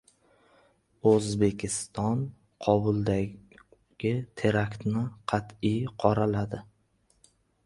O‘zbekiston Kobuldagi teraktni qat’iy qoraladi